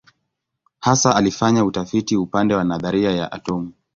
Hasa alifanya utafiti upande wa nadharia ya atomu.